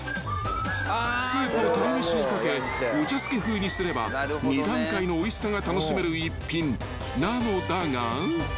［スープを鯛めしに掛けお茶漬け風にすれば２段階のおいしさが楽しめる一品なのだが］